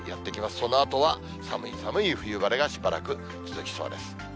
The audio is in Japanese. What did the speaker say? そのあとは寒い寒い冬晴れが、しばらく続きそうです。